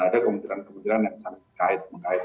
ada kementerian kementerian yang sangat kait mengkait